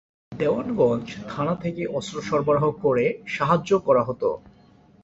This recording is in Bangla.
দেওয়ানগঞ্জ থানা থেকে অস্ত্র সরবরাহ করে সাহায্য করা হতো।